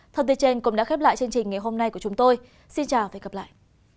thông tin trên cũng đã khép lại chương trình ngày hôm nay của chúng tôi xin chào và hẹn gặp lại